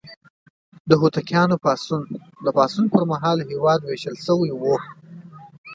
د هوتکیانو پاڅون: د پاڅون پر مهال هېواد ویشل شوی و.